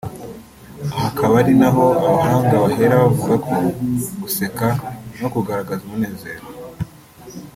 Aha akaba ari naho abahanga bahera bavuga ko guseka no kugaragaza umunezero